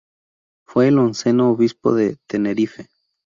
Fue el onceno obispo de Tenerife.